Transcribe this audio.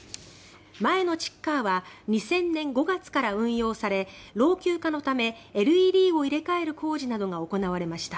前のチッカーは２０００年５月から運用され老朽化のためＬＥＤを入れ替える工事などが行われました。